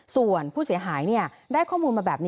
ส่วนผู้เสียหายได้ข้อมูลมาแบบนี้